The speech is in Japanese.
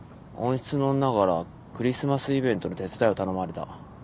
温室の女からクリスマスイベントの手伝いを頼まれた。